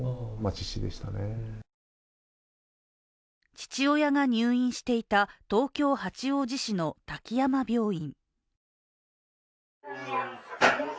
父親が入院していた東京・八王子市の滝山病院。